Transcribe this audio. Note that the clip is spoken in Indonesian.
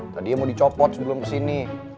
tadinya mau dicopot sebelum kesini